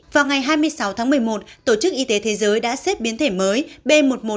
vào ngày hai mươi sáu tháng một mươi một tổ chức y tế thế giới đã xếp biến thể mới b một mươi một